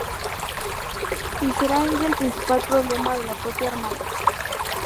Y será ella el principal problema de la propia hermana.